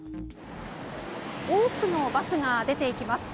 多くのバスが出ていきます。